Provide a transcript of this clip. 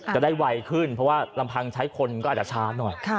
จะได้วัยขึ้นเพราะว่ารำพังใช้คนจะช้านหน่อย